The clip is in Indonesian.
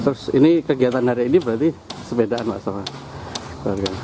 terus ini kegiatan hari ini berarti sepedaan pak sama keluarga